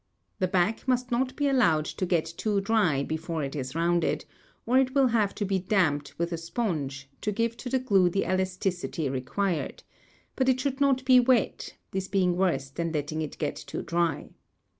The back must not be allowed to get too dry before it is rounded, or it will have to be damped with a sponge, to give to the glue the elasticity required, but it should not be wet, this being worse than letting it get too dry.